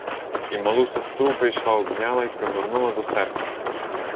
І малу сестру прийшла обняла й пригорнула до серця.